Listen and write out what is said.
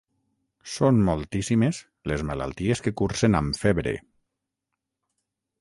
Són moltíssimes les malalties que cursen amb febre.